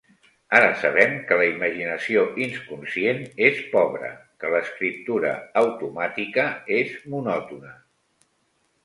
Ara sabem que la imaginació inconscient és pobra, que l'escriptura automàtica és monòtona.